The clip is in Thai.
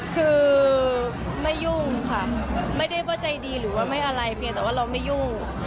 คือไม่ยุ่งค่ะไม่ได้ว่าใจดีหรือว่าไม่อะไรเพียงแต่ว่าเราไม่ยุ่ง